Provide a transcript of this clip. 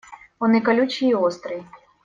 Он и колючий и острый.